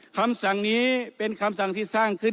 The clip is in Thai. คำสั่งนี้เป็นคำสั่งที่